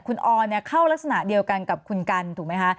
คุณออนเข้ารักษณะเดียวกันกับคุณกันถูกไหมคะ